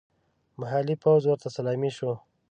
محلي پوځ ورته سلامي شو.